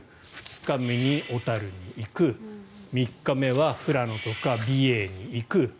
２日目に小樽に行く３日目は富良野とか美瑛に行く。